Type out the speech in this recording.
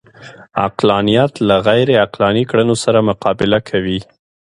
عقلانیت له غیرعقلاني کړنو سره مقابله کوي